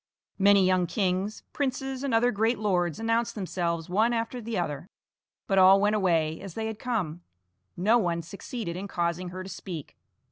Many young kings, princes, and other great lords announced themselves one after the other, but all went away as they had come; no one succeeded in causing her to speak.